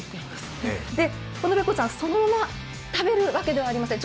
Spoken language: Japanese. このベコちゃん、そのまま食べるわけではありません。